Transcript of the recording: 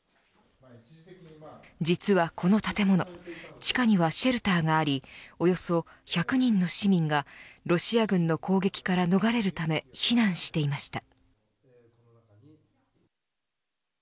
実はこの建物地下にはシェルターがありおよそ１００人の市民がロシア軍の攻撃から逃れるため避難していました。